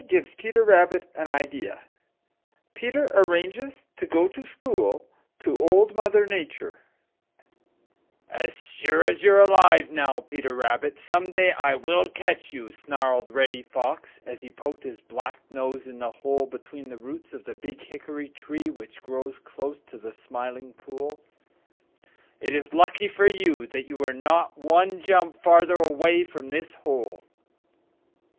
THE BURGESS ANIMAL BOOK FOR CHILDREN CHAPTER I Jenny Wren Gives Peter Rabbit an Idea "As sure as you're alive now, Peter Rabbit, some day I will catch you," snarled Reddy Fox, as he poked his black nose in the hole between the roots of the Big Hickory tree which grows close to the Smiling Pool. "It is lucky for you that you were not one jump farther away from this hole."